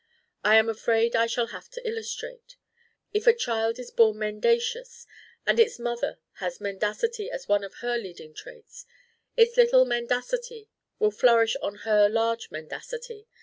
I am afraid I shall have to illustrate: if a child is born mendacious and its mother has mendacity as one of her leading traits, its little mendacity will flourish on her large mendacity.